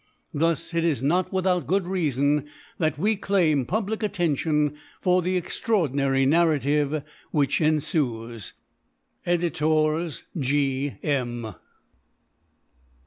Thus it is not without good reason that we claim public attention for the extraordinary narrative which ensues. EDS. G. M.